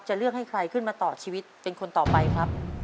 เลือกให้ใครขึ้นมาต่อชีวิตเป็นคนต่อไปครับ